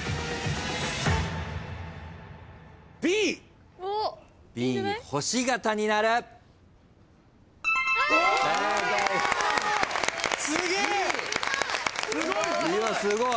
・すごい。